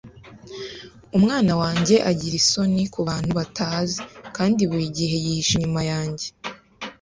Umwana wanjye agira isoni kubantu batazi kandi buri gihe yihisha inyuma yanjye.